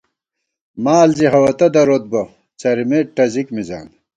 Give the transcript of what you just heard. مال زی ہوَتہ دروت بہ ، څرِمېت ٹزِک مِزان